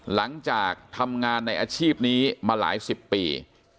หลังจากทำงานในอาชีพนี้มาหลายสิบปี